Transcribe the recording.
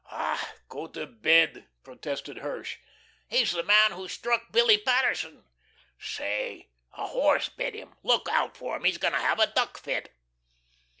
"Ah, go to bed," protested Hirsch. "He's the man who struck Billy Paterson." "Say, a horse bit him. Look out for him, he's going to have a duck fit."